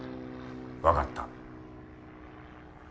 分かった。